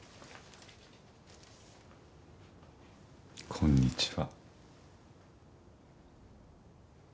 こんにちは。